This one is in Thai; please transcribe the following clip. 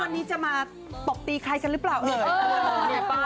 น้อง๒๔แล้วก็นี่ลูกเรานางธัญญา